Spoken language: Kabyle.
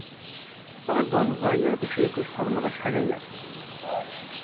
Tɣilleḍ ur neẓri ara acu akk i txeddmeḍ acḥal aya?